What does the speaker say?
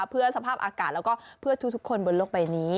เพื่อสภาพอากาศแล้วก็เพื่อทุกคนบนโลกใบนี้